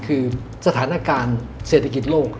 คือสถานการณ์เศรษฐกิจโลก